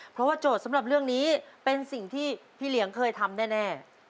เพราะว่าโจทย์สำหรับเรื่องนี้เป็นสิ่งที่พี่เหลียงเคยทำแน่